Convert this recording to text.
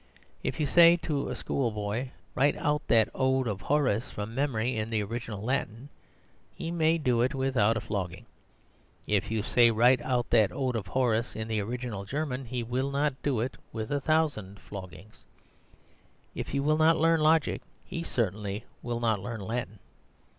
If you say to a schoolboy, "Write out that Ode of Horace from memory in the original Latin," he may do it without a flogging. If you say, "Write out that Ode of Horace in the original German," he will not do it with a thousand floggings. If you will not learn logic, he certainly will not learn Latin.